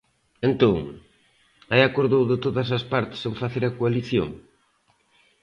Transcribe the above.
Entón, hai acordo de todas as partes en facer a coalición?